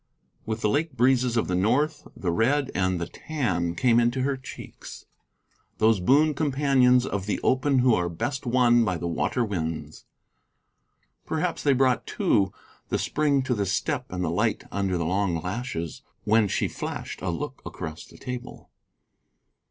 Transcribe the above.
With the lake breezes of the north the red and the tan came into her cheeks, those boon companions of the open who are best won by the water winds. Perhaps they brought, too, the spring to the step and the light under the long lashes when she flashed a look across the table.